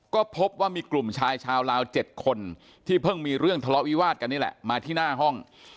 ก็พบว่ามีกลุ่มชายชาวลาว๗คนที่เพิ่งมีเรื่องทะเลาะวิวาดกันนี่แหละมาที่หน้าห้อง